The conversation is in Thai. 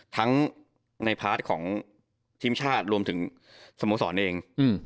ทั้งในพาร์ทของทีมชาติรวมถึงสโมสรเอง